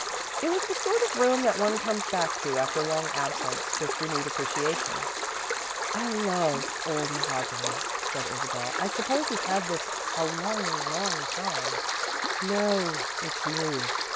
It was the sort of room that one comes back to, after long absence, with renewed appreciation. "I love old mahogany," continued Isabel. "I suppose you've had this a long, long time." "No, it's new.